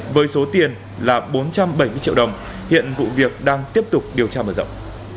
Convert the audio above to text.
với số tiền là bốn trăm bảy mươi triệu đồng hiện vụ việc đang tiếp tục điều tra mở rộng